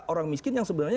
orang miskin yang sebenarnya